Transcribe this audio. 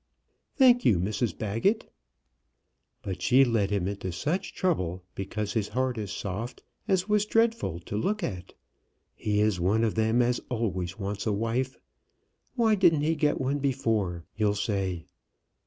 "Thank you, Mrs Baggett." "But she led him into such trouble, because his heart is soft, as was dreadful to look at. He is one of them as always wants a wife. Why didn't he get one before? you'll say.